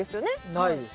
ないです。